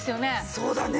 そうだね。